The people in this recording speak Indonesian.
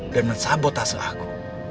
dan mensabotase aku